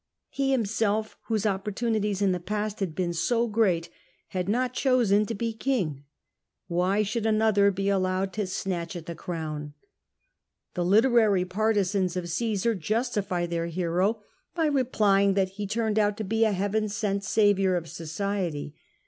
He himself, whose opportunities in the past had been so great, had not chosen to be king; why should another be allowed POMPEY 276 to snatch at the crown ? The literary partisans of Osesar justify their hero by replying that he turned out to be a heaven sent saviour of society.